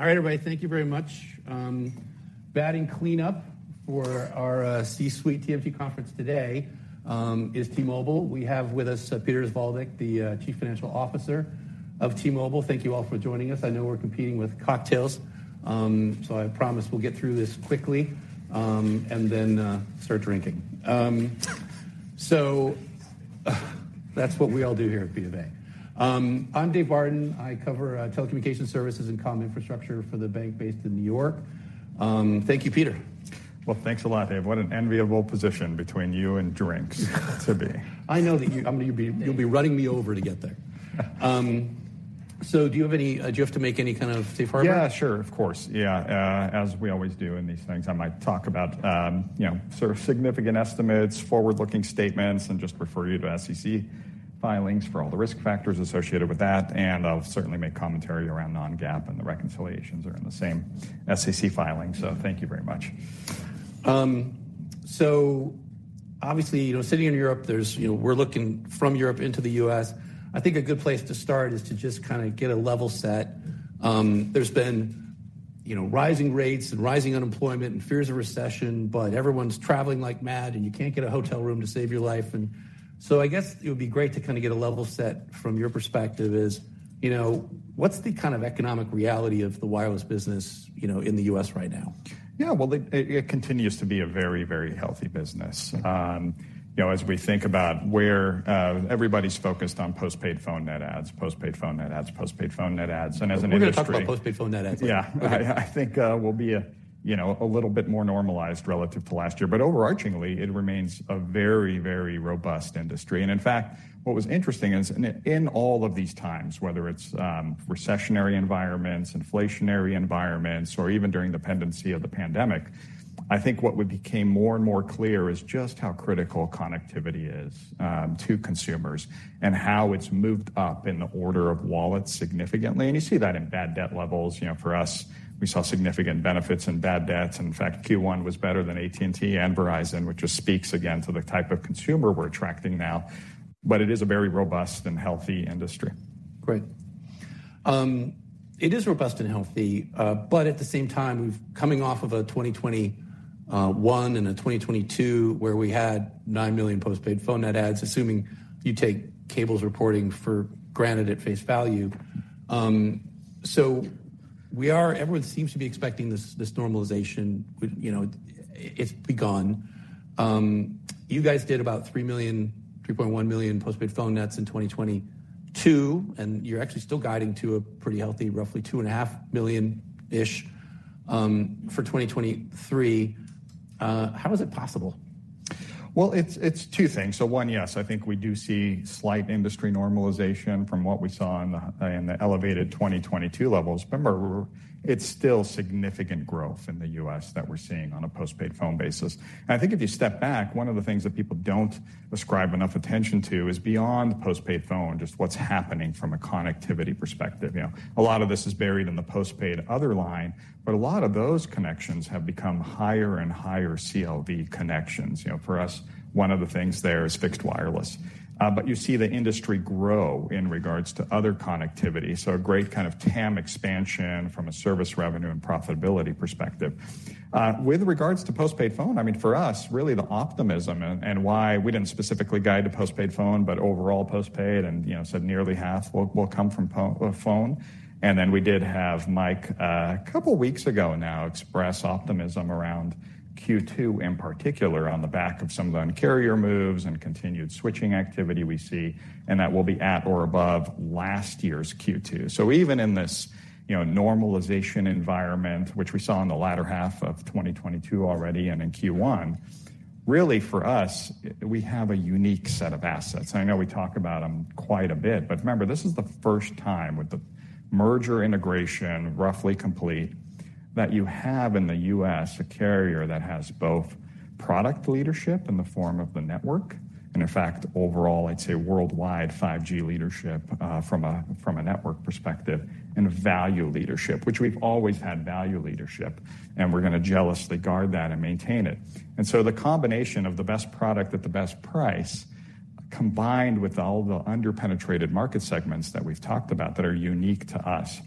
All right, everybody, thank you very much. Batting cleanup for our C-suite TMT conference today is T-Mobile. We have with us, Peter Osvaldik, the Chief Financial Officer of T-Mobile. Thank you all for joining us. I know we're competing with cocktails. I promise we'll get through this quickly. Then start drinking. That's what we all do here at B of A. I'm David Barden. I cover telecommunications services and comm infrastructure for the bank based in New York. Thank you, Peter. Well, thanks a lot, Dave. What an enviable position between you and drinks to be! I know that I mean, you'll be running me over to get there. Do you have to make any kind of safe harbor? Yeah, sure. Of course. Yeah, as we always do in these things, I might talk about, you know, sort of significant estimates, forward-looking statements, and just refer you to SEC filings for all the risk factors associated with that. I'll certainly make commentary around non-GAAP, and the reconciliations are in the same SEC filings. Thank you very much. obviously, you know, sitting in Europe, there's, you know, we're looking from Europe into the U.S. I think a good place to start is to just kind of get a level set. There's been, you know, rising rates and rising unemployment and fears of recession, but everyone's traveling like mad, and you can't get a hotel room to save your life. I guess it would be great to kind of get a level set from your perspective is, you know, what's the kind of economic reality of the wireless business, you know, in the U.S. right now? Yeah, well, it continues to be a very, very healthy business. You know, as we think about where everybody's focused on postpaid phone net adds, as an industry. We're going to talk about postpaid phone net adds. Yeah. I think, you know, we'll be a little bit more normalized relative to last year. Overarchingly, it remains a very, very robust industry. In fact, what was interesting is in all of these times, whether it's recessionary environments, inflationary environments, or even during the pendency of the pandemic, I think what would became more and more clear is just how critical connectivity is to consumers and how it's moved up in the order of wallet significantly. You see that in bad debt levels. You know, for us, we saw significant benefits in bad debts. In fact, Q1 was better than AT&T and Verizon, which just speaks again to the type of consumer we're attracting now, but it is a very robust and healthy industry. Great. It is robust and healthy, but at the same time, coming off of a 2021 and a 2022, where we had $9 million postpaid phone net adds, assuming you take cable's reporting for granted at face value. Everyone seems to be expecting this normalization with, you know... It's begun. You guys did about $3 million, $3.1 million postpaid phone nets in 2022, and you're actually still guiding to a pretty healthy, roughly $2.5 million-ish, for 2023. How is it possible? Well, it's two things. One, yes, I think we do see slight industry normalization from what we saw in the elevated 2022 levels. Remember, it's still significant growth in the US that we're seeing on a postpaid phone basis. I think if you step back, one of the things that people don't ascribe enough attention to is beyond postpaid phone, just what's happening from a connectivity perspective. You know, a lot of this is buried in the postpaid other line, but a lot of those connections have become higher and higher CLV connections. You know, for us, one of the things there is fixed wireless. You see the industry grow in regards to other connectivity, so a great kind of TAM expansion from a service revenue and profitability perspective. With regards to postpaid phone, I mean, for us, really the optimism and why we didn't specifically guide to postpaid phone, but overall postpaid and, you know, said nearly half will come from phone. We did have Mike, a couple of weeks ago now, express optimism around Q2, in particular, on the back of some of the Un-carrier moves and continued switching activity we see, and that will be at or above last year's Q2. Even in this, you know, normalization environment, which we saw in the latter half of 2022 already and in Q1, really for us, we have a unique set of assets. I know we talk about them quite a bit, but remember, this is the first time with the merger integration roughly complete, that you have in the U.S. a carrier that has both product leadership in the form of the network, and in fact, overall, I'd say worldwide 5G leadership, from a network perspective and value leadership, which we've always had value leadership, and we're going to jealously guard that and maintain it. The combination of the best product at the best price, combined with all the under-penetrated market segments that we've talked about that are unique to us,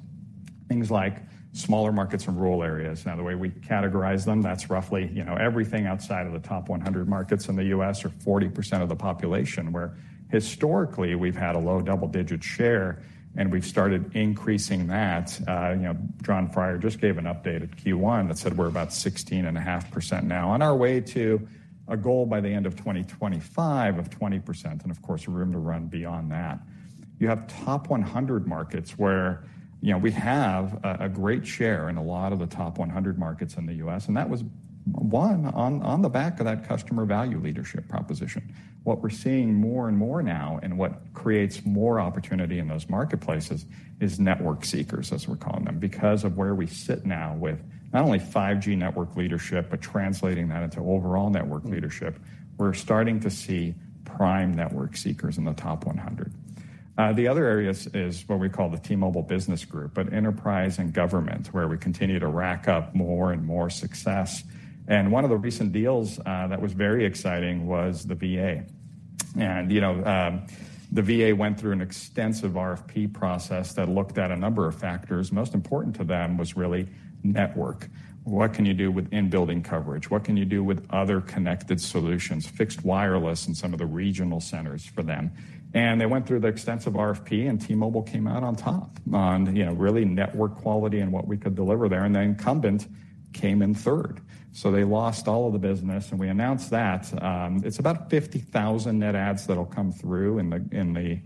things like smaller markets and rural areas. Now, the way we categorize them, that's roughly, you know, everything outside of the top 100 markets in the US, or 40% of the population, where historically we've had a low double-digit share, and we've started increasing that. You know, Jon Freier just gave an update at Q1 that said we're about 16.5% now, on our way to a goal by the end of 2025 of 20% and, of course, room to run beyond that. You have top 100 markets where, you know, we have a great share in a lot of the top 100 markets in the US, and that was one on the back of that customer value leadership proposition. What we're seeing more and more now and what creates more opportunity in those marketplaces is network seekers, as we're calling them, because of where we sit now with not only 5G network leadership, but translating that into overall network leadership. We're starting to see prime network seekers in the top 100. The other areas is what we call the T-Mobile Business Group, but enterprise and government, where we continue to rack up more and more success. One of the recent deals that was very exciting was the VA. You know, the VA went through an extensive RFP process that looked at a number of factors. Most important to them was really network. What can you do with in-building coverage? What can you do with other connected solutions, fixed wireless in some of the regional centers for them? They went through the extensive RFP, and T-Mobile came out on top, on, you know, really network quality and what we could deliver there, and the incumbent came in third. They lost all of the business, and we announced that. It's about 50,000 net adds that'll come through in the, in the,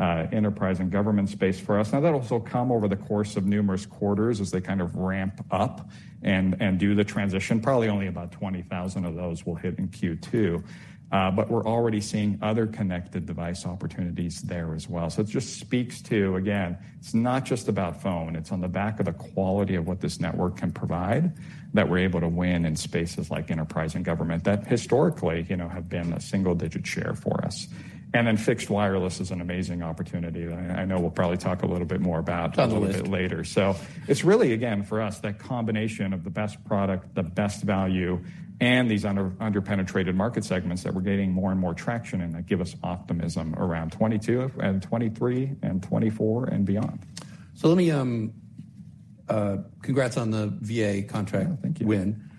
enterprise and government space for us. That'll still come over the course of numerous quarters as they kind of ramp up and do the transition. Probably only about 20,000 of those will hit in Q2, but we're already seeing other connected device opportunities there as well. It just speaks to, again, it's not just about phone. It's on the back of the quality of what this network can provide, that we're able to win in spaces like enterprise and government, that historically, you know, have been a single-digit share for us. Fixed wireless is an amazing opportunity that I know we'll probably talk a little bit more about. Absolutely. a little bit later. It's really, again, for us, that combination of the best product, the best value, and these under-penetrated market segments that we're gaining more and more traction in, that give us optimism around 2022 and 2023 and 2024 and beyond. Let me Congrats on the VA contract. Thank you. Win.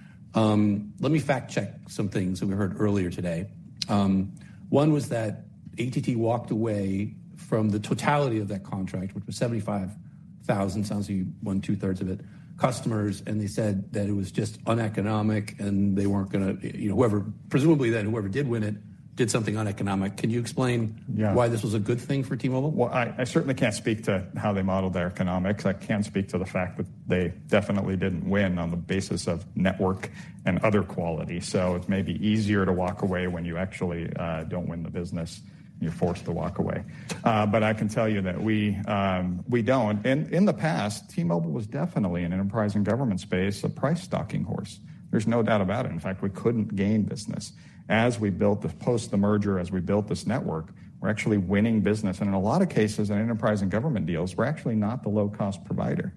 Let me fact-check some things that we heard earlier today. One was that AT&T walked away from the totality of that contract, which was 75,000, sounds like you won two-thirds of it, customers. They said that it was just uneconomic. They weren't gonna, you know, whoever presumably, then whoever did win it, did something uneconomic. Can you explain- Yeah. -why this was a good thing for T-Mobile? Well, I certainly can't speak to how they modeled their economics. I can speak to the fact that they definitely didn't win on the basis of network and other quality. It may be easier to walk away when you actually don't win the business, and you're forced to walk away. I can tell you that we don't. In the past, T-Mobile was definitely, in the enterprise and government space, a price stalking horse. There's no doubt about it. In fact, we couldn't gain business. Post the merger, as we built this network, we're actually winning business, and in a lot of cases, in enterprise and government deals, we're actually not the low-cost provider,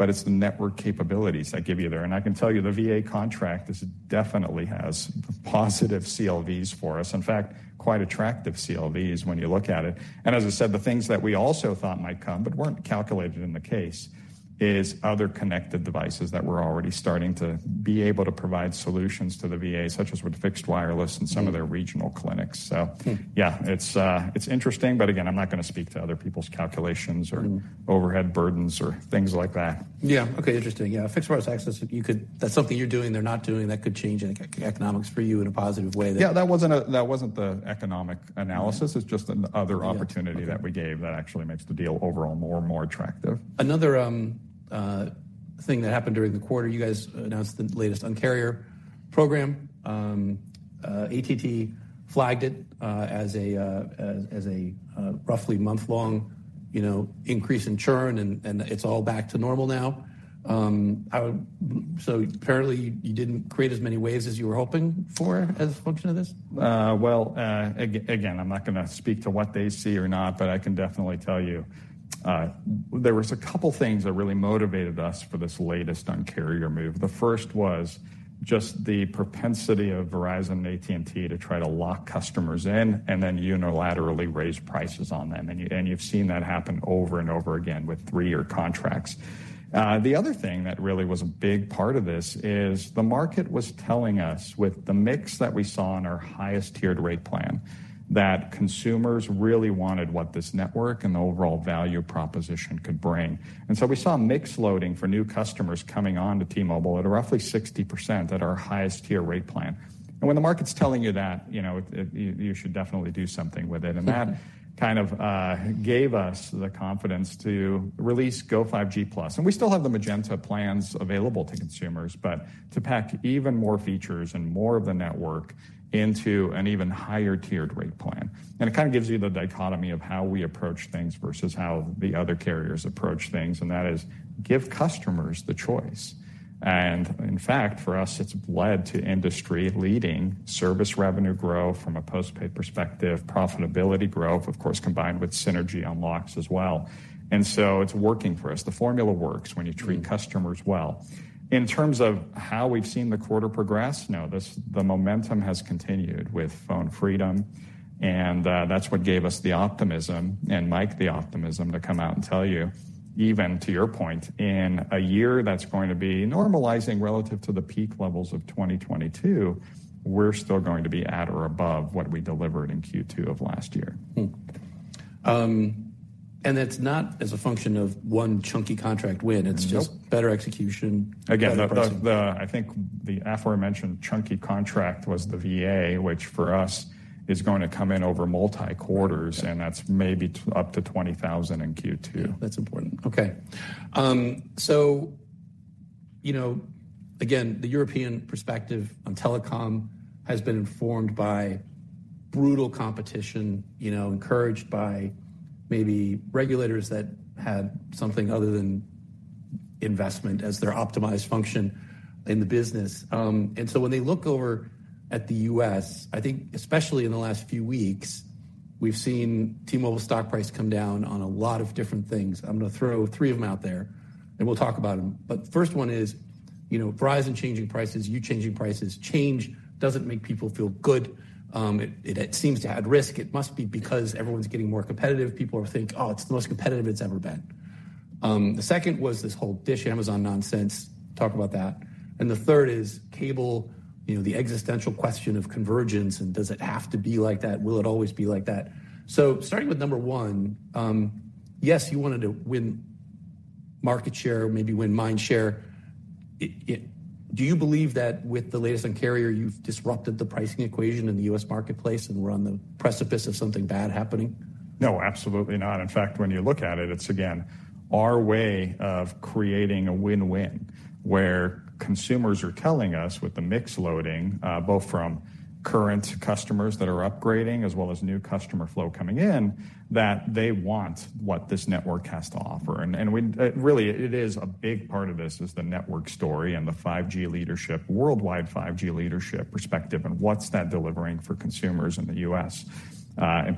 but it's the network capabilities I give you there. I can tell you, the VA contract is definitely has positive CLVs for us. In fact, quite attractive CLVs when you look at it. As I said, the things that we also thought might come but weren't calculated in the case is other connected devices that we're already starting to be able to provide solutions to the VA, such as with fixed wireless in some of their regional clinics. Hmm. Yeah, it's interesting, but again, I'm not going to speak to other people's calculations or- Mm. overhead burdens or things like that. Yeah. Okay, interesting. Yeah, fixed wireless access, that's something you're doing they're not doing that could change the e-economics for you in a positive way. Yeah, That wasn't the economic analysis. Yeah. It's just another opportunity... Yeah. that we gave that actually makes the deal overall more and more attractive. Another thing that happened during the quarter, you guys announced the latest Un-carrier program. AT&T flagged it as a roughly month-long, you know, increase in churn, and it's all back to normal now. Apparently, you didn't create as many waves as you were hoping for as a function of this? Well, again, I'm not gonna speak to what they see or not, but I can definitely tell you, there was a couple things that really motivated us for this latest Un-carrier move. The first was just the propensity of Verizon and AT&T to try to lock customers in and then unilaterally raise prices on them. You've seen that happen over and over again with three-year contracts. The other thing that really was a big part of this is the market was telling us, with the mix that we saw in our highest tiered rate plan, that consumers really wanted what this network and the overall value proposition could bring. We saw mix loading for new customers coming on to T-Mobile at roughly 60% at our highest tier rate plan. When the market's telling you that, you know, it, you should definitely do something with it. That kind of gave us the confidence to release Go5G Plus. We still have the Magenta plans available to consumers, but to pack even more features and more of the network into an even higher tiered rate plan. It kind of gives you the dichotomy of how we approach things versus how the other carriers approach things, and that is give customers the choice. In fact, for us, it's led to industry-leading service revenue growth from a postpaid perspective, profitability growth, of course, combined with synergy unlocks as well. So it's working for us. The formula works. Mm. -treat customers well. In terms of how we've seen the quarter progress, now, this, the momentum has continued with Phone Freedom, and that's what gave us the optimism, and Mike the optimism, to come out and tell you, even to your point, in a year that's going to be normalizing relative to the peak levels of 2022, we're still going to be at or above what we delivered in Q2 of last year. That's not as a function of one chunky contract win. Nope. it's just better execution. Again, I think the aforementioned chunky contract was the VA, which, for us, is going to come in over multi quarters, and that's maybe up to 20,000 in Q2. That's important. Okay. You know, again, the European perspective on telecom has been informed by brutal competition, you know, encouraged by maybe regulators that had something other than investment as their optimized function in the business. When they look over at the U.S., I think especially in the last few weeks, we've seen T-Mobile stock price come down on a lot of different things. I'm gonna throw three of them out there, and we'll talk about them. The first one is, you know, Verizon changing prices, you changing prices, change doesn't make people feel good. It seems to add risk. It must be because everyone's getting more competitive. People are think, "Oh, it's the most competitive it's ever been." The second was this whole Dish-Amazon nonsense. Talk about that. The third is cable, you know, the existential question of convergence, and does it have to be like that? Will it always be like that? Starting with number one, yes, you wanted to win market share, maybe win mind share. Do you believe that with the latest Un-carrier, you've disrupted the pricing equation in the U.S. marketplace, and we're on the precipice of something bad happening? No, absolutely not. In fact, when you look at it's again, our way of creating a win-win, where consumers are telling us, with the mix loading, both from current customers that are upgrading as well as new customer flow coming in, that they want what this network has to offer. Really, it is a big part of this is the network story and the 5G leadership, worldwide 5G leadership perspective, and what's that delivering for consumers in the U.S.?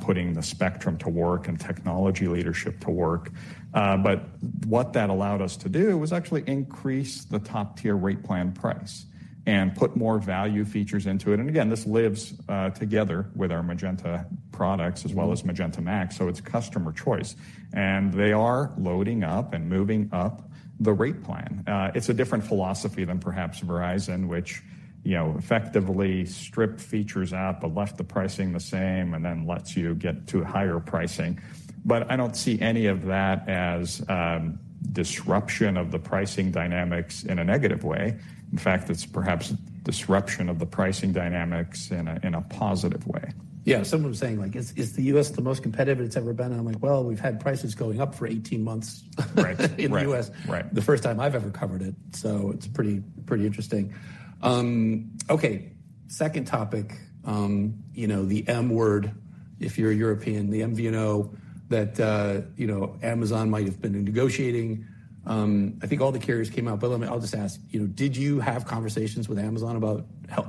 Putting the spectrum to work and technology leadership to work. What that allowed us to do was actually increase the top-tier rate plan price and put more value features into it. Again, this lives together with our Magenta products as well as Magenta MAX, it's customer choice. They are loading up and moving up the rate plan. It's a different philosophy than perhaps Verizon, which, you know, effectively stripped features out, but left the pricing the same and then lets you get to higher pricing. I don't see any of that as disruption of the pricing dynamics in a negative way. In fact, it's perhaps disruption of the pricing dynamics in a, in a positive way. Yeah. Someone was saying, like, "Is the U.S. the most competitive it's ever been?" I'm like, "Well, we've had prices going up for 18 months. Right. In the U.S. Right. The first time I've ever covered it. It's pretty interesting. Okay, second topic, you know, the M word, if you're a European, the MVNO that, you know, Amazon might have been negotiating. I think all the carriers came out. I'll just ask, you know, did you have conversations with Amazon about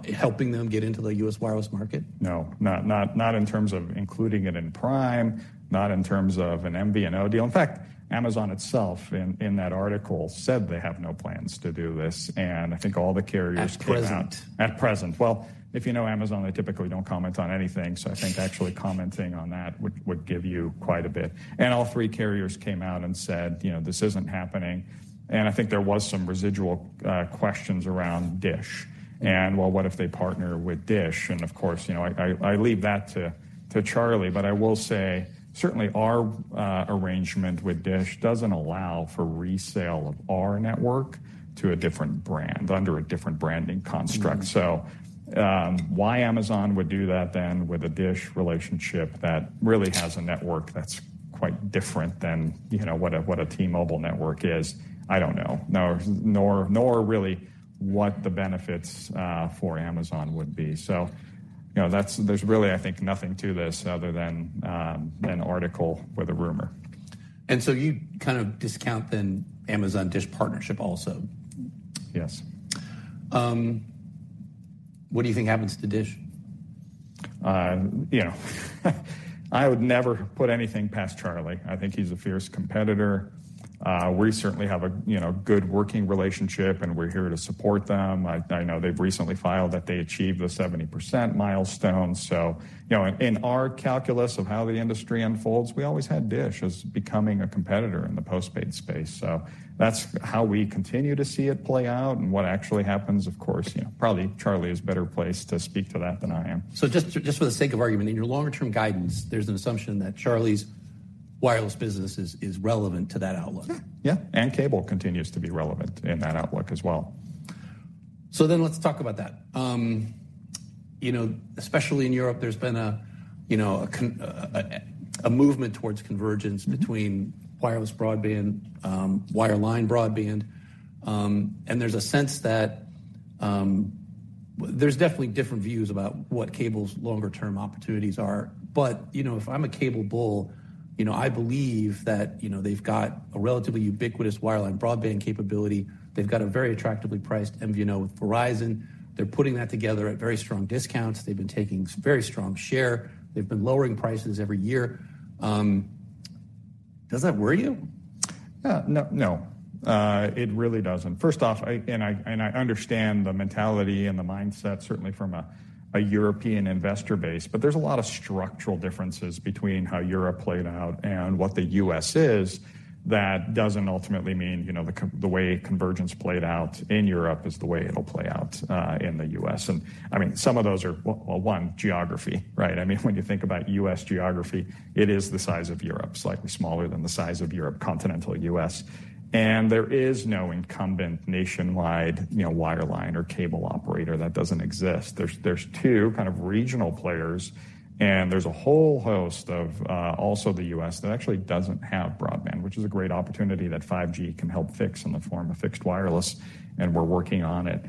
helping them get into the US wireless market? No. Not in terms of including it in Prime, not in terms of an MVNO deal. In fact, Amazon itself, in that article, said they have no plans to do this. I think all the carriers came out. At present. At present. Well, if you know Amazon, they typically don't comment on anything. I think actually commenting on that would give you quite a bit. All three carriers came out and said, you know, "This isn't happening." I think there was some residual questions around Dish, and, "Well, what if they partner with Dish?" Of course, you know, I leave that to Charlie, but I will say, certainly our arrangement with Dish doesn't allow for resale of our network to a different brand, under a different branding construct. Mm-hmm. Why Amazon would do that then with a Dish relationship that really has a network that's quite different than, you know, what a T-Mobile network is, I don't know. Nor really what the benefits for Amazon would be. You know, there's really, I think, nothing to this other than an article with a rumor. You kind of discount then Amazon-Dish partnership also? Yes. What do you think happens to Dish? You know, I would never put anything past Charlie. I think he's a fierce competitor. We certainly have a, you know, good working relationship, and we're here to support them. I know they've recently filed that they achieved the 70% milestone. You know, in our calculus of how the industry unfolds, we always had Dish as becoming a competitor in the postpaid space, so that's how we continue to see it play out and what actually happens, of course, you know, probably Charlie is better placed to speak to that than I am. Just for the sake of argument, in your longer term guidance, there's an assumption that Charlie's wireless business is relevant to that outlook. Yeah, yeah, cable continues to be relevant in that outlook as well. Let's talk about that. You know, especially in Europe, there's been a, you know, a movement towards convergence between wireless broadband, wireline broadband. There's a sense that. There's definitely different views about what cable's longer term opportunities are. But, you know, if I'm a cable bull, you know, I believe that, you know, they've got a relatively ubiquitous wireline broadband capability. They've got a very attractively priced MVNO with Verizon. They're putting that together at very strong discounts. They've been taking very strong share. They've been lowering prices every year. Does that worry you? No, no. It really doesn't. First off, I, and I, and I understand the mentality and the mindset, certainly from a European investor base, but there's a lot of structural differences between how Europe played out and what the U.S. is. That doesn't ultimately mean, you know, the way convergence played out in Europe is the way it'll play out in the U.S. I mean, some of those are, well, one, geography, right? I mean, when you think about U.S. geography, it is the size of Europe, slightly smaller than the size of Europe, continental U.S. There is no incumbent nationwide, you know, wireline or cable operator. That doesn't exist. There's two kind of regional players. There's a whole host of, also the U.S. that actually doesn't have broadband, which is a great opportunity that 5G can help fix in the form of fixed wireless. We're working on it.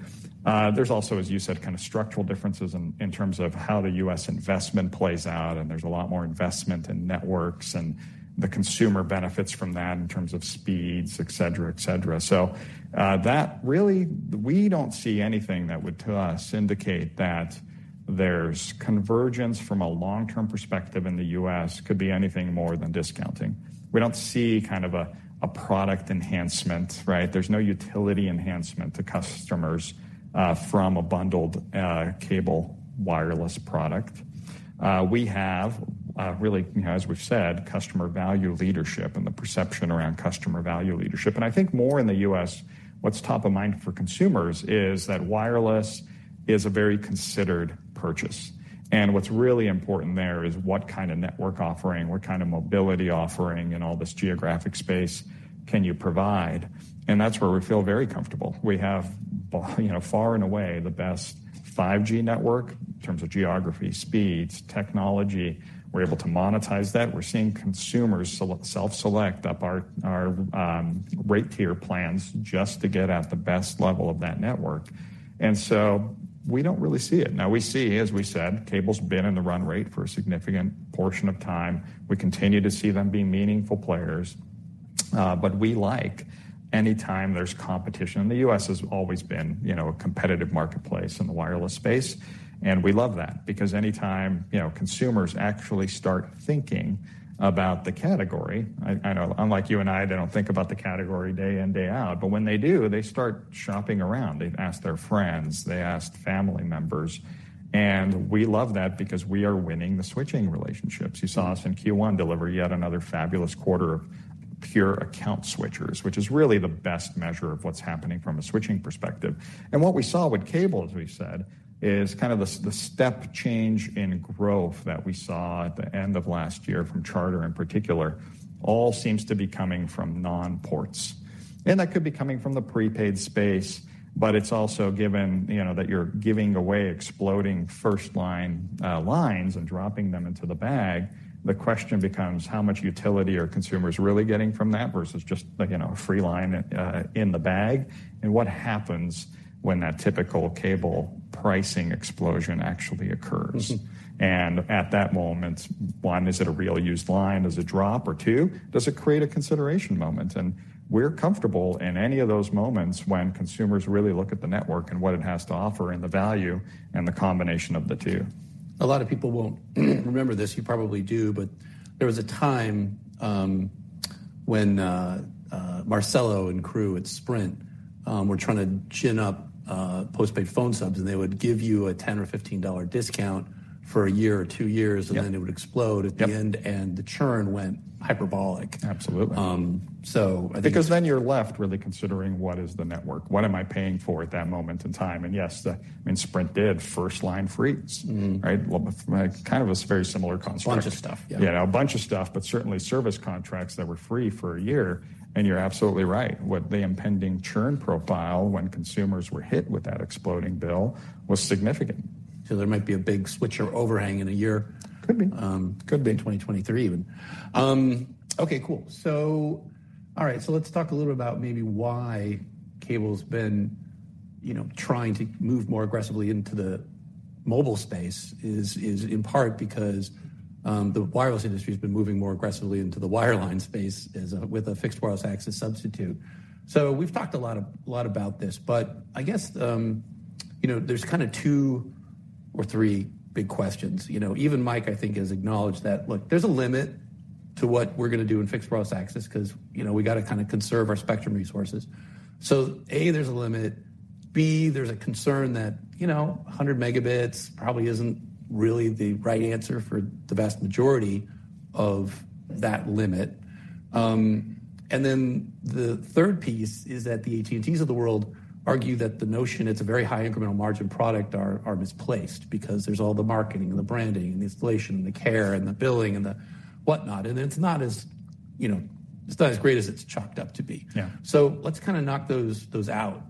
Also, as you said, kind of structural differences in terms of how the U.S. investment plays out, and there's a lot more investment in networks and the consumer benefits from that in terms of speeds, et cetera, et cetera. That really. We don't see anything that would, to us, indicate that there's convergence from a long-term perspective in the U.S., could be anything more than discounting. We don't see kind of a product enhancement, right? There's no utility enhancement to customers from a bundled, cable wireless product. We have, really, you know, as we've said, customer value leadership and the perception around customer value leadership. I think more in the U.S., what's top of mind for consumers is that wireless is a very considered purchase. What's really important there is what kind of network offering, what kind of mobility offering in all this geographic space can you provide? That's where we feel very comfortable. We have, but, you know, far and away, the best 5G network in terms of geography, speeds, technology. We're able to monetize that. We're seeing consumers self-select up our rate tier plans just to get at the best level of that network, and so we don't really see it. We see, as we said, cable's been in the run rate for a significant portion of time. We continue to see them be meaningful players. We like any time there's competition. The U.S. has always been, you know, a competitive marketplace in the wireless space. We love that because anytime, you know, consumers actually start thinking about the category, I know, unlike you and I, they don't think about the category day in, day out, but when they do, they start shopping around. They've asked their friends, they asked family members. We love that because we are winning the switching relationships. You saw us in Q1 deliver yet another fabulous quarter of pure account switchers, which is really the best measure of what's happening from a switching perspective. What we saw with cable, as we said, is kind of the step change in growth that we saw at the end of last year from Charter, in particular, all seems to be coming from non-ports. That could be coming from the prepaid space, but it's also given, you know, that you're giving away exploding first-line lines and dropping them into the bag. The question becomes: How much utility are consumers really getting from that versus just, like, you know, a free line in the bag? What happens when that typical cable pricing explosion actually occurs? Mm-hmm. At that moment, one, is it a real used line as a drop, or two, does it create a consideration moment? We're comfortable in any of those moments when consumers really look at the network and what it has to offer, and the value, and the combination of the two. A lot of people won't remember this. You probably do, but there was a time, when, Marcelo and crew at Sprint, were trying to chin up, postpaid phone subs, and they would give you a 10 or 15 dollar discount for a year or 2 years. Yep. Then it would explode. Yep. at the end, the churn went hyperbolic. Absolutely. Um, so I think- Then you're left really considering what is the network? What am I paying for at that moment in time? Yes, the, I mean, Sprint did first line free, right? Mm-hmm. Well, kind of a very similar concept. Bunch of stuff, yeah. Yeah, a bunch of stuff, but certainly service contracts that were free for a year, and you're absolutely right. What the impending churn profile when consumers were hit with that exploding bill was significant. There might be a big switcher overhang in a year. Could be. Could be in 2023 even. All right, let's talk a little about maybe why cable's been trying to move more aggressively into the mobile space is in part because the wireless industry has been moving more aggressively into the wireline space as a, with a fixed wireless access substitute. We've talked a lot about this, but I guess there's kind of two or three big questions. Even Mike, I think, has acknowledged that, look, there's a limit to what we're gonna do in fixed wireless access because we got to kind of conserve our spectrum resources. A, there's a limit. B, there's a concern that 100 megabits probably isn't really the right answer for the vast majority of that limit. The third piece is that the AT&Ts of the world argue that the notion it's a very high incremental margin product are misplaced because there's all the marketing and the branding and the installation and the care and the billing and the whatnot, and it's not as, you know, it's not as great as it's chalked up to be. Yeah. Let's kind of knock those out.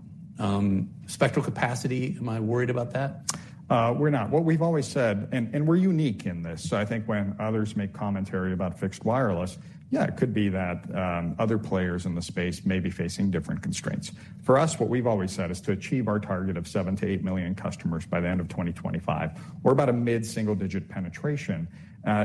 spectral capacity, am I worried about that? We're not. What we've always said, and we're unique in this. I think when others make commentary about fixed wireless, yeah, it could be that other players in the space may be facing different constraints. For us, what we've always said is to achieve our target of 7 to 8 million customers by the end of 2025. We're about a mid-single-digit penetration,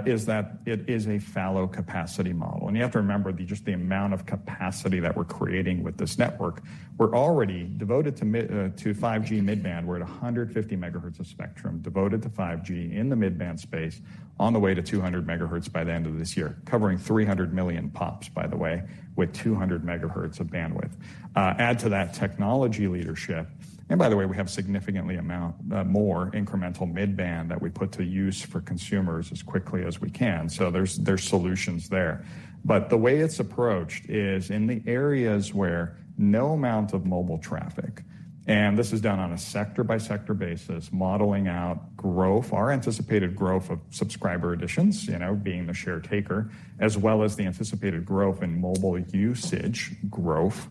is that it is a fallow capacity model, and you have to remember just the amount of capacity that we're creating with this network. We're already devoted to mid, to 5G mid-band. We're at 150 megahertz of spectrum, devoted to 5G in the mid-band space on the way to 200 megahertz by the end of this year, covering 300 million pops, by the way, with 200 megahertz of bandwidth. Add to that technology leadership, and by the way, we have significantly amount more incremental mid-band that we put to use for consumers as quickly as we can. There's solutions there. The way it's approached is in the areas where no amount of mobile traffic, and this is done on a sector-by-sector basis, modeling out growth, our anticipated growth of subscriber additions, you know, being the share taker, as well as the anticipated growth in mobile usage growth.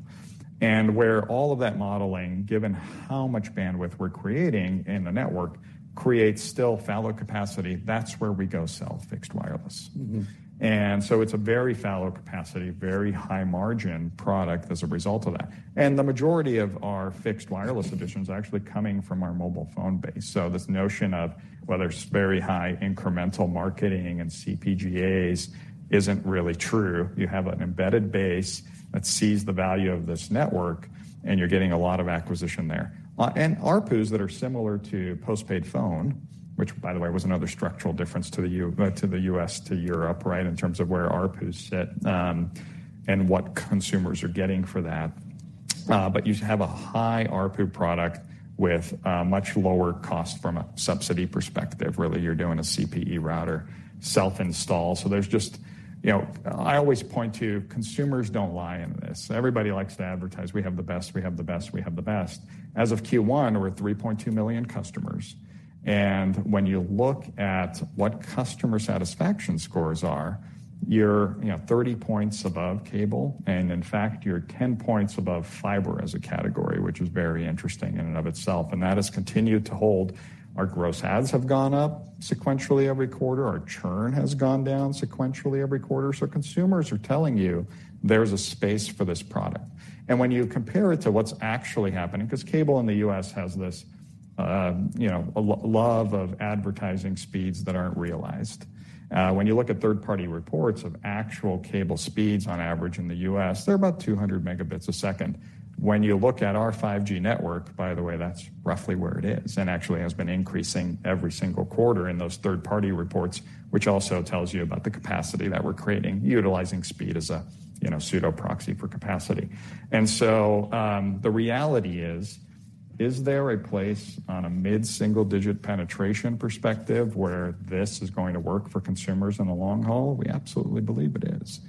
Where all of that modeling, given how much bandwidth we're creating in the network, creates still fallow capacity, that's where we go sell fixed wireless. Mm-hmm. It's a very fallow capacity, very high margin product as a result of that. The majority of our fixed wireless additions are actually coming from our mobile phone base. This notion of, well, there's very high incremental marketing and CPGAs isn't really true. You have an embedded base that sees the value of this network, and you're getting a lot of acquisition there. ARPUs that are similar to postpaid phone, which, by the way, was another structural difference to the US, to Europe, right? In terms of where ARPUs sit, and what consumers are getting for that. You have a high ARPU product with much lower cost from a subsidy perspective. Really, you're doing a CPE router, self-install. There's just, you know, I always point to consumers don't lie in this. Everybody likes to advertise, "We have the best, we have the best, we have the best." As of Q1, we're at 3.2 million customers. When you look at what customer satisfaction scores are, you're, you know, 30 points above cable, and in fact, you're 10 points above fiber as a category, which is very interesting in and of itself, and that has continued to hold. Our gross adds have gone up sequentially every quarter. Our churn has gone down sequentially every quarter. Consumers are telling you there's a space for this product. When you compare it to what's actually happening, 'cause cable in the U.S. has this, you know, love of advertising speeds that aren't realized. When you look at third-party reports of actual cable speeds on average in the U.S., they're about 200 megabits a second. When you look at our 5G network, by the way, that's roughly where it is, and actually has been increasing every single quarter in those third-party reports, which also tells you about the capacity that we're creating, utilizing speed as a, you know, pseudo proxy for capacity. The reality is there a place on a mid-single-digit penetration perspective where this is going to work for consumers in the long haul? We absolutely believe it is.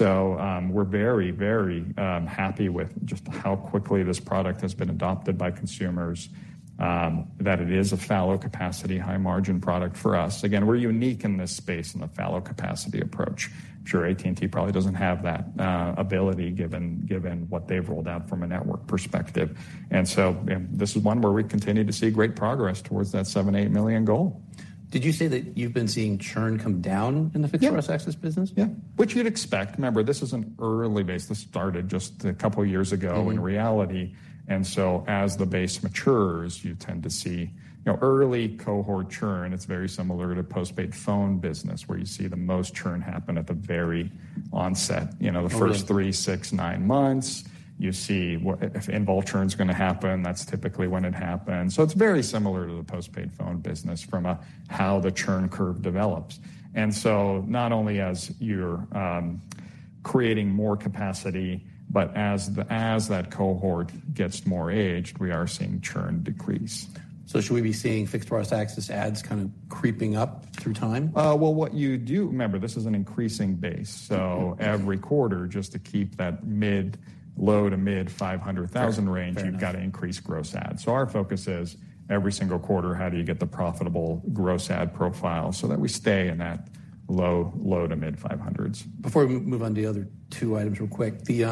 We're very, very happy with just how quickly this product has been adopted by consumers, that it is a fallow capacity, high-margin product for us. We're unique in this space, in the fallow capacity approach. I'm sure AT&T probably doesn't have that ability, given what they've rolled out from a network perspective. This is one where we continue to see great progress towards that 7 million-8 million goal. Did you say that you've been seeing churn come down in the... Yeah fixed wireless access business? Yeah, which you'd expect. Remember, this is an early base. This started just a couple of years ago. Mm-hmm. In reality, as the base matures, you tend to see. You know, early cohort churn, it's very similar to postpaid phone business, where you see the most churn happen at the very onset. Mm-hmm. You know, the first three, six, nine months, you see if end vault churn is going to happen, that's typically when it happens. It's very similar to the postpaid phone business from a, how the churn curve develops. Not only as you're creating more capacity, but as that cohort gets more aged, we are seeing churn decrease. Should we be seeing fixed wireless access adds kind of creeping up through time? Well, what you do... Remember, this is an increasing base. Mm-hmm. Every quarter, just to keep that mid, low to mid 500,000 range. Fair enough.... you've got to increase gross adds. Our focus is every single quarter, how do you get the profitable gross add profile so that we stay in that low to mid $500s? Before we move on to the other two items real quick, the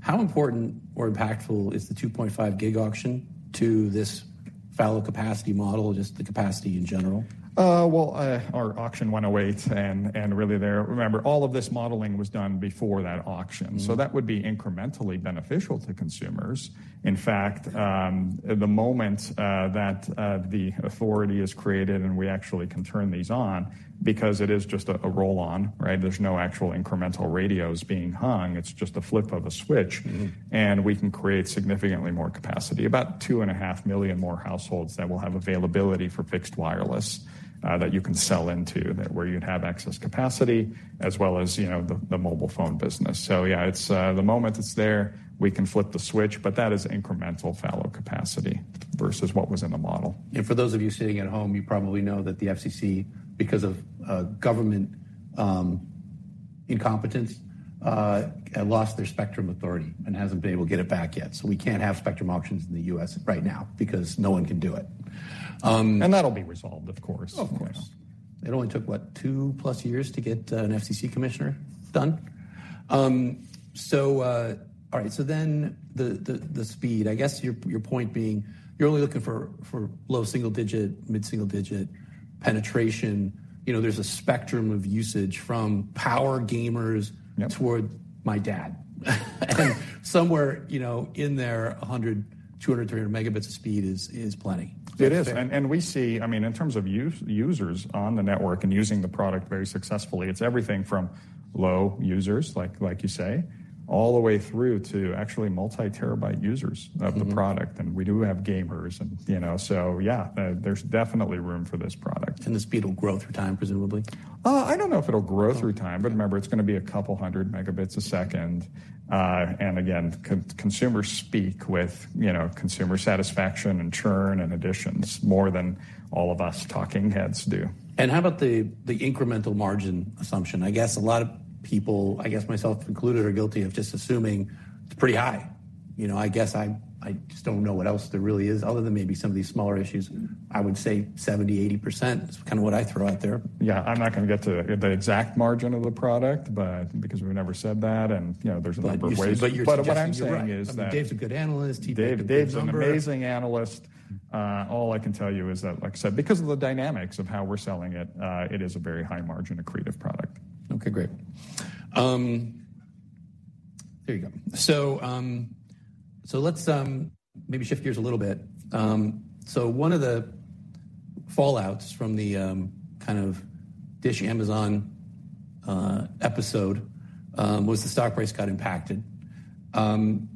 how important or impactful is the 2.5 gig Auction to this fallow capacity model, just the capacity in general? Well, our auction went away, and really there. Remember, all of this modeling was done before that auction. Mm-hmm. That would be incrementally beneficial to consumers. In fact, the moment that the authority is created and we actually can turn these on, because it is just a roll-on, right? There's no actual incremental radios being hung. It's just a flip of a switch. Mm-hmm. We can create significantly more capacity, about 2.5 million more households that will have availability for fixed wireless, that you can sell into, that where you'd have excess capacity, as well as, you know, the mobile phone business. Yeah, it's the moment it's there, we can flip the switch, but that is incremental fallow capacity versus what was in the model. For those of you sitting at home, you probably know that the FCC, because of government, incompetence, lost their spectrum authority and hasn't been able to get it back yet. We can't have spectrum auctions in the U.S. right now because no one can do it. That'll be resolved, of course. Of course. It only took, what, 2-plus years to get an FCC commissioner done? All right, the speed, I guess your point being, you're only looking for low single-digit, mid-single-digit penetration. You know, there's a spectrum of usage from power gamers- Yep... toward my dad. Somewhere, you know, in there, 100, 200, 300 megabits of speed is plenty. It is. We see, I mean, in terms of users on the network and using the product very successfully, it's everything from low users, like you say, all the way through to actually multi-terabyte users- Mm-hmm... of the product, and we do have gamers and, you know, so yeah, there's definitely room for this product. The speed will grow through time, presumably? I don't know if it'll grow through time- Okay remember, it's going to be 200 megabits a second. Again, consumer speak with, you know, consumer satisfaction and churn and additions more than all of us talking heads do. How about the incremental margin assumption? I guess a lot of people, I guess myself included, are guilty of just assuming it's pretty high. You know, I guess I just don't know what else there really is, other than maybe some of these smaller issues. Mm-hmm. I would say 70%-80% is kind of what I'd throw out there. Yeah, I'm not going to get to the exact margin of the product, but because we've never said that, and, you know, there's a number of ways... You're suggesting- what I'm saying is that... You're right. I mean, Dave's a good analyst. He did a good number. Dave's an amazing analyst. All I can tell you is that, like I said, because of the dynamics of how we're selling it is a very high margin, accretive product. Okay, great. There you go. Let's maybe shift gears a little bit. One of the fallouts from the kind of Dish-Amazon episode was the stock price got impacted. I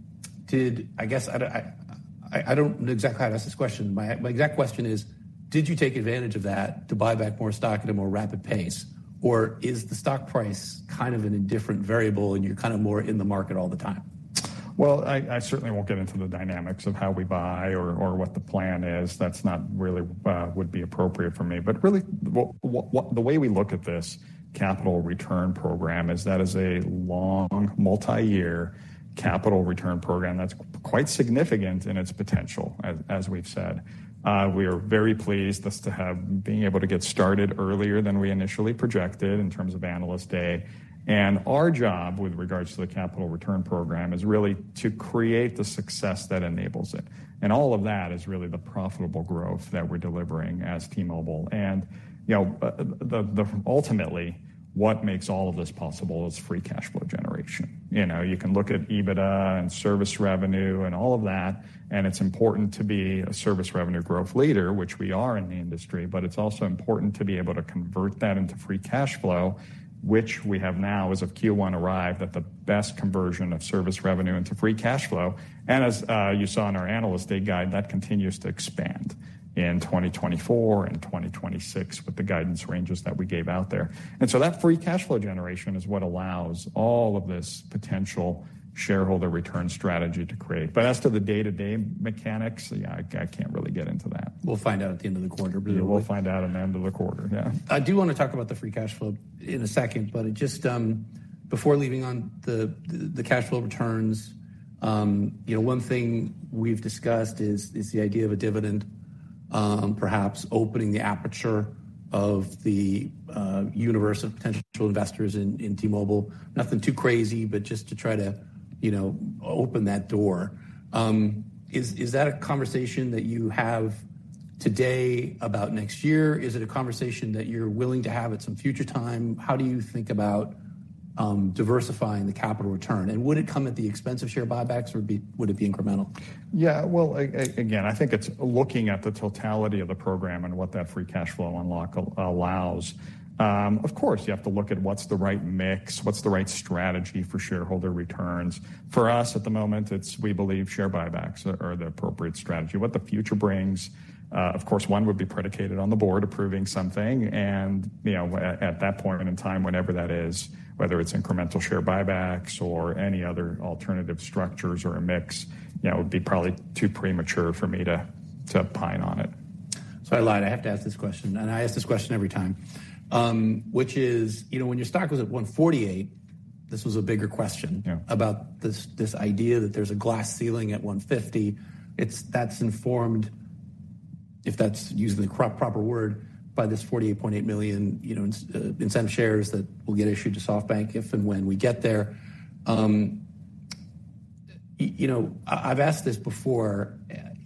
guess, I don't know exactly how to ask this question. My exact question is, did you take advantage of that to buy back more stock at a more rapid pace? Or is the stock price kind of an indifferent variable, and you're kind of more in the market all the time? Well, I certainly won't get into the dynamics of how we buy or what the plan is. That's not really would be appropriate for me. Really, the way we look at this capital return program is that is a long, multi-year capital return program that's quite significant in its potential, as we've said. We are very pleased as to have being able to get started earlier than we initially projected in terms of Analyst Day. Our job, with regards to the capital return program, is really to create the success that enables it. All of that is really the profitable growth that we're delivering as T-Mobile. You know, ultimately, what makes all of this possible is free cash flow generation. You know, you can look at EBITDA and service revenue and all of that, and it's important to be a service revenue growth leader, which we are in the industry, but it's also important to be able to convert that into free cash flow, which we have now, as of Q1 arrive, that the best conversion of service revenue into free cash flow. As you saw in our Analyst Day guide, that continues to expand in 2024 and 2026 with the guidance ranges that we gave out there. So that free cash flow generation is what allows all of this potential shareholder return strategy to create. As to the day-to-day mechanics, yeah, I can't really get into that. We'll find out at the end of the quarter, believe me. We'll find out at the end of the quarter, yeah. I do wanna talk about the free cash flow in a second, but just before leaving on the cash flow returns, you know, one thing we've discussed is the idea of a dividend, perhaps opening the aperture of the universe of potential investors in T-Mobile. Nothing too crazy, but just to try to, you know, open that door. Is that a conversation that you have today about next year? Is it a conversation that you're willing to have at some future time? How do you think about diversifying the capital return? Would it come at the expense of share buybacks, or would it be incremental? Well, again, I think it's looking at the totality of the program and what that free cash flow unlock allows. Of course, you have to look at what's the right mix, what's the right strategy for shareholder returns. For us, at the moment, it's, we believe, share buybacks are the appropriate strategy. What the future brings, of course, one would be predicated on the board approving something, and, you know, at that point in time, whenever that is, whether it's incremental share buybacks or any other alternative structures or a mix, you know, it would be probably too premature for me to opine on it. I lied, I have to ask this question, I ask this question every time. Which is, you know, when your stock was at $148, this was a bigger question. Yeah about this idea that there's a glass ceiling at 150. That's informed, if that's using the proper word, by this $48.8 million, you know, in incentive shares that will get issued to SoftBank if and when we get there. You know, I've asked this before,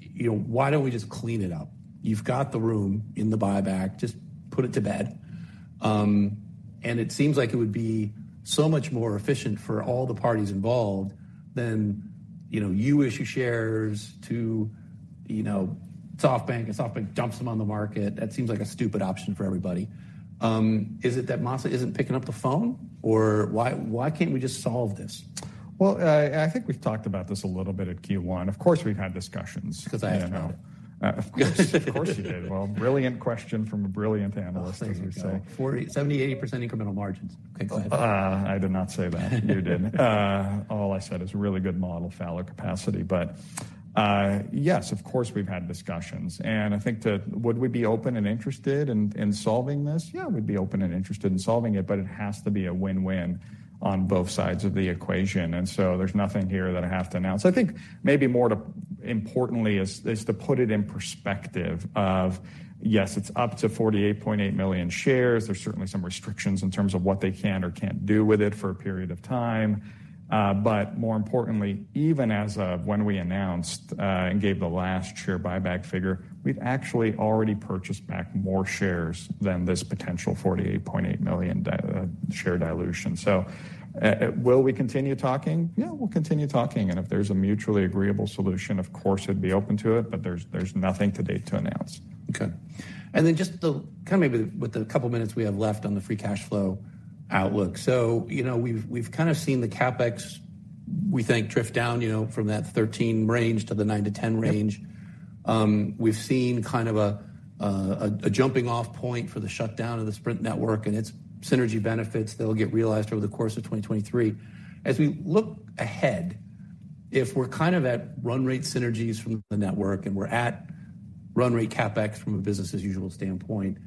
you know, why don't we just clean it up? You've got the room in the buyback, just put it to bed. It seems like it would be so much more efficient for all the parties involved than, you know, you issue shares to, you know, SoftBank, and SoftBank dumps them on the market. That seems like a stupid option for everybody. Is it that Masa isn't picking up the phone? Why, why can't we just solve this? I think we've talked about this a little bit at Q1. Of course, we've had discussions. Cause I asked about it. Of course you did. Well, brilliant question from a brilliant analyst, as you say. 78% incremental margins. Okay, go ahead. I did not say that. You did. All I said is really good model, fallow capacity. Yes, of course, we've had discussions, and I think Would we be open and interested in solving this? Yeah, we'd be open and interested in solving it, but it has to be a win-win on both sides of the equation, there's nothing here that I have to announce. I think maybe more to importantly is to put it in perspective of, yes, it's up to 48.8 million shares. There's certainly some restrictions in terms of what they can or can't do with it for a period of time. More importantly, even as of when we announced and gave the last share buyback figure, we've actually already purchased back more shares than this potential 48.8 million share dilution. Will we continue talking? Yeah, we'll continue talking, and if there's a mutually agreeable solution, of course, we'd be open to it, but there's nothing to date to announce. Okay. Just the couple minutes we have left on the free cash flow outlook. You know, we've kind of seen the CapEx, we think, drift down, you know, from that 13 range to the 9-10 range. We've seen kind of a jumping-off point for the shutdown of the Sprint network and its synergy benefits that'll get realized over the course of 2023. As we look ahead, if we're kind of at run rate synergies from the network, and we're at run rate CapEx from a business as usual standpoint,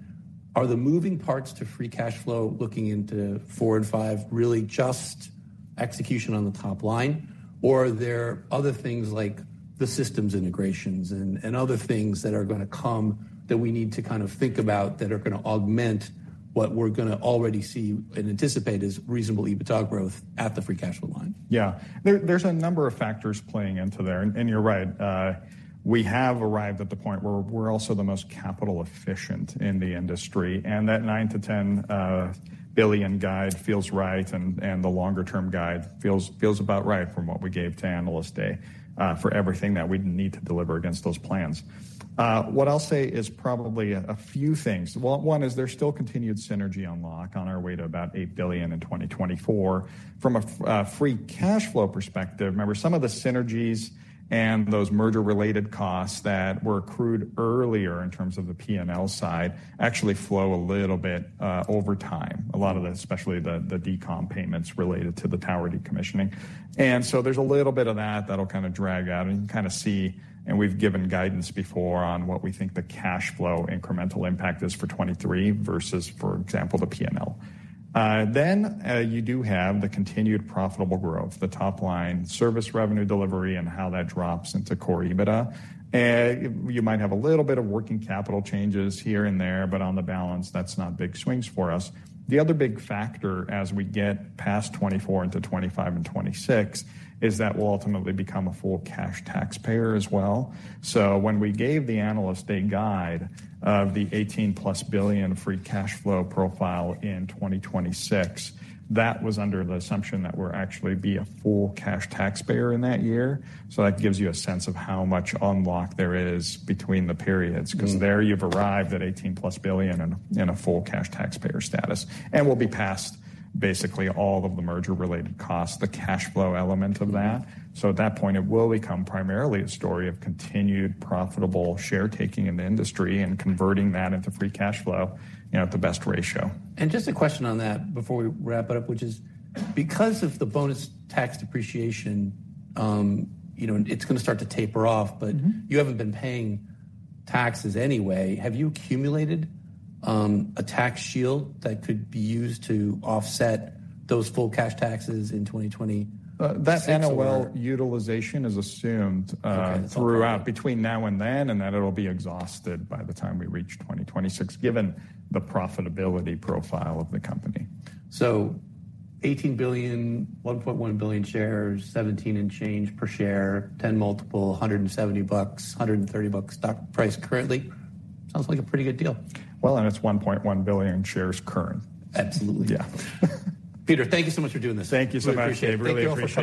are the moving parts to free cash flow looking into 4 and 5 really just execution on the top line? Are there other things like the systems integrations and other things that are gonna come that we need to kind of think about that are gonna augment what we're gonna already see and anticipate as reasonable EBITDA growth at the free cash flow line? Yeah. There's a number of factors playing into there, and you're right. We have arrived at the point where we're also the most capital efficient in the industry, and that $9 billion to $10 billion guide feels right, and the longer-term guide feels about right from what we gave to Analyst Day for everything that we'd need to deliver against those plans. What I'll say is probably a few things. One is there's still continued synergy unlock on our way to about $8 billion in 2024. From a free cash flow perspective, remember, some of the synergies and those merger-related costs that were accrued earlier in terms of the P&L side actually flow a little bit over time. A lot of the especially the decomp payments related to the tower decommissioning. There's a little bit of that that'll kind of drag out and kind of see, and we've given guidance before on what we think the cash flow incremental impact is for 2023 versus, for example, the P&L. You do have the continued profitable growth, the top line service revenue delivery and how that drops into core EBITDA. You might have a little bit of working capital changes here and there, but on the balance, that's not big swings for us. The other big factor as we get past 2024 into 2025 and 2026, is that we'll ultimately become a full cash taxpayer as well. When we gave the analyst a guide of the $18-plus billion free cash flow profile in 2026, that was under the assumption that we're actually be a full cash taxpayer in that year. That gives you a sense of how much unlock there is between the periods. Mm. 'Cause there you've arrived at $18-plus billion and a full cash taxpayer status, and we'll be past basically all of the merger-related costs, the cash flow element of that. At that point, it will become primarily a story of continued profitable share taking in the industry and converting that into free cash flow, you know, at the best ratio. Just a question on that before we wrap it up, which is because of the bonus tax depreciation, you know, it's gonna start to taper off. Mm-hmm. You haven't been paying taxes anyway. Have you accumulated a tax shield that could be used to offset those full cash taxes in 2020? That NOL utilization is assumed. Okay. throughout between now and then, and that it'll be exhausted by the time we reach 2026, given the profitability profile of the company. $18 billion, 1.1 billion shares, 17 and change per share, 10 multiple, $170, $130 stock price currently. Sounds like a pretty good deal. Well, it's $1.1 billion in shares current. Absolutely. Yeah. Peter, thank you so much for doing this. Thank you so much, Dave. Really appreciate it. Thank you. I appreciate it.